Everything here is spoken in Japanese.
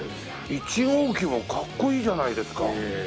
１号機はかっこいいじゃないですか。